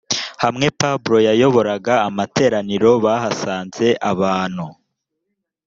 hamwe pablo yayoboraga amateraniro bahasanze abantu